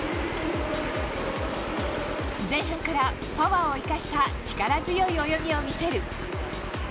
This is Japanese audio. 前半からパワーを生かした力強い動きを見せる。